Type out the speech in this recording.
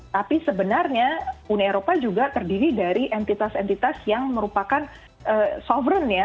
tapi sebenarnya uni eropa juga terdiri dari entitas entitas yang merupakan soveren ya